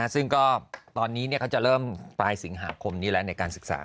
ซึ่งก็ตอนนี้เขาจะเริ่มปลายสิงหาคมนี้แล้วในการศึกษา